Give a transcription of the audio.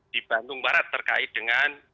di bandung barat terkait dengan